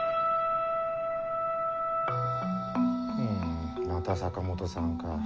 んまた坂本さんか。